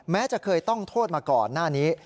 จะเคยต้องโทษมาก่อนหน้านี้